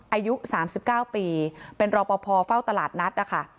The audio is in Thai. อายุสามสิบเก้าปีเป็นรอปภเฝ้าตลาดนัดนะคะ